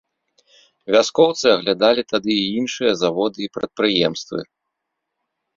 Вяскоўцы аглядалі тады і іншыя заводы і прадпрыемствы.